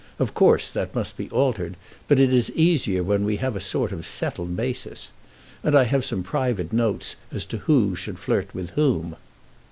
Of course that must be altered, but it is easier when we have a sort of settled basis. And I have some private notes as to who should flirt with whom."